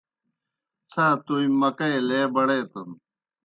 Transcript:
څھا تومیْ مکئی لے بڑیتَن۔